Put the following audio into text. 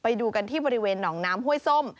ไปดูกันที่บริเวณหนองน้ำห้วยส้ม